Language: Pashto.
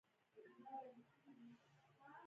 د نجونو تعلیم د تبعیض مخه نیسي.